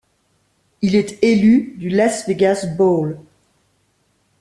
Il est élu ' du Las Vegas Bowl.